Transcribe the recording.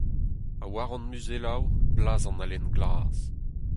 Ha war hon muzelloù, blaz an halen glas !